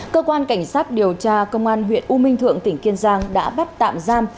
cơ quan cảnh sát điều tra công an huyện u minh thượng tỉnh kiên giang đã bắt tạm giam